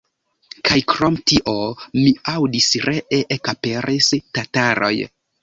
Kaj krom tio, mi aŭdis, ree ekaperis tataroj.